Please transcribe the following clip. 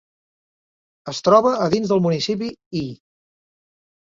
Es troba dins el Municipi I.